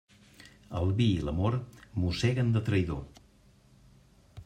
El vi i l'amor mosseguen de traïdor.